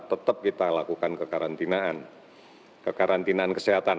tetap kita lakukan kekarantinaan kekarantinaan kesehatan